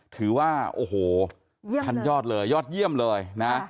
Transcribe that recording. ถือว่าทันยอดเลยยอดเยี่ยมเลย